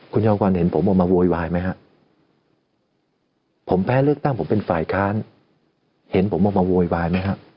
คุณจอมขวัญเห็นผมออกมาโวยวายไหมฮะผมแพ้เลือกตั้งผมเป็นฝ่ายค้านเห็นผมออกมาโวยวายไหมฮะ